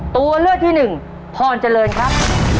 ตัวเลือกที่หนึ่งพรเจริญครับ